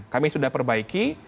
kami sudah perbaiki